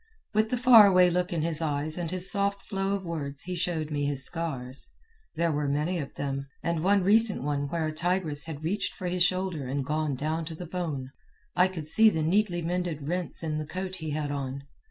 With the far away look in his eyes and his soft flow of words he showed me his scars. There were many of them, and one recent one where a tigress had reached for his shoulder and gone down to the bone. I could see the neatly mended rents in the coat he had on.